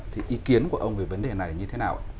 thì ý kiến của ông về vấn đề này như thế nào